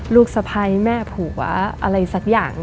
ลูกสะพัยแม่ผัวอะไรสักอย่าง